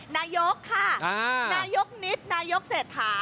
นายกค่ะนายกนิดนายกเศรษฐา